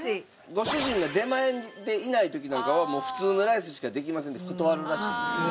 ご主人が出前でいない時なんかはもう普通のライスしかできませんって断るらしいですよ。